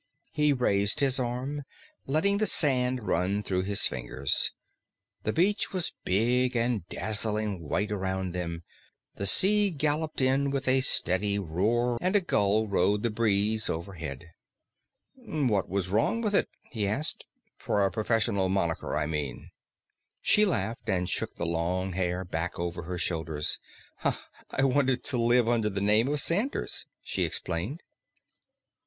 He raised his arm, letting the sand run through his fingers. The beach was big and dazzling white around them, the sea galloped in with a steady roar, and a gull rode the breeze overhead. "What was wrong with it?" he asked. "For a professional monicker, I mean." She laughed and shook the long hair back over her shoulders. "I wanted to live under the name of Sanders," she explained.